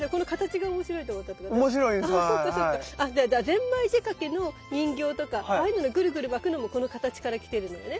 ゼンマイ仕掛けの人形とかああいうののぐるぐる巻くのもこの形から来てるのよね。